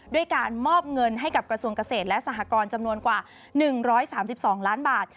ด้วยการมอบเงินให้กับกระทรวงเกษตรและสหกรจำนวนกว่า๑๓๒ล้านบาท